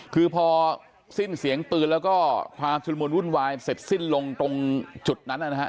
คือพอสิ้นเสียงปืนแล้วก็ความชุดละมุนวุ่นวายเสร็จสิ้นลงตรงจุดนั้นนะครับ